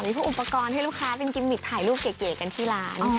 มีพวกอุปกรณ์ให้ลูกค้าเป็นกิมมิกถ่ายรูปเก๋กันที่ร้าน